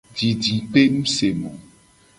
Didipenusemo.